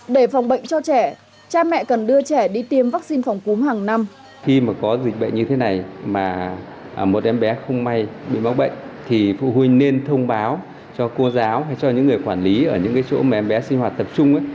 để phòng bệnh cho trẻ cha mẹ cần đưa trẻ đi tiêm vắc xin phòng cúm hàng năm